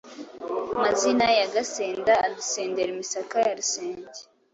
Mazina ya Gasenda Adusendera imisaka ya Rusenge.